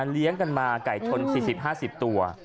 เลี้ยงกันมาไก่ชน๔๐๕๐ตัว